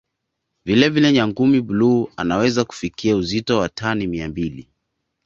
Vile vile Nyangumi bluu anaweza kufikia uzito wa tani mia mbili